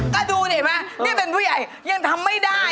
ก็ดูนี่เห็นไหมนี่เป็นผู้ใหญ่ยังทำไม่ได้